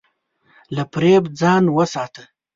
له فریب ځان وساته.